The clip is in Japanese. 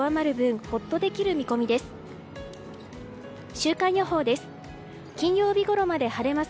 週間予報です。